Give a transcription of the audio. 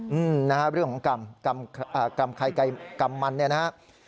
เป็นเรื่องของกรรมไข่ไกรกรรมมันนะครับ